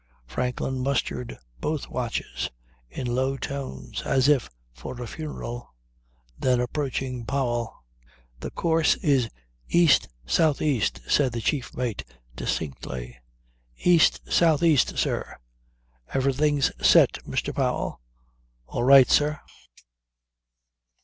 Franklin mustered both watches in low tones as if for a funeral, then approaching Powell: "The course is east south east," said the chief mate distinctly. "East south east, sir." "Everything's set, Mr. Powell." "All right, sir."